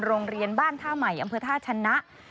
โรงเรียนบ้านท่าใหม่อำเภอท่าชนะ